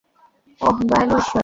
ওহ, দয়ালু ইশ্বর।